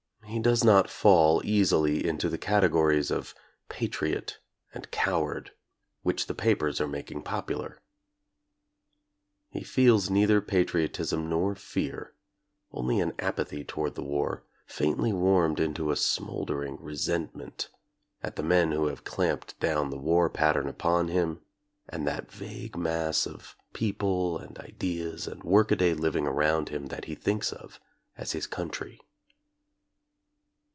He does not fall easily into the categories of patriot and coward which the papers are making popular. He feels neither patriotism nor fear, only an apathy toward the war, faintly warmed into a smoldering resent ment at the men who have clamped down the war pattern upon him and that vague mass of people and ideas and workaday living around him that he thinks of as his country.